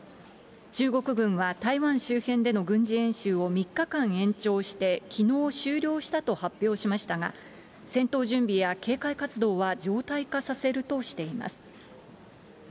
中国軍は、台湾周辺での軍事演習を３日間延長して、きのう終了したと発表しましたが、戦闘準備や警戒活動は常態化させるとしています。